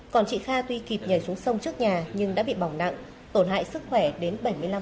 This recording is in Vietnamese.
còn chị kha tuy kịp nhảy xuống sông trước nhà nhưng đã bị bỏng nặng tổn hại sức khỏe đến bảy mươi năm